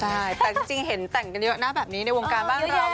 ใช่แต่จริงเห็นแต่งกันเยอะนะแบบนี้ในวงการบ้านเรา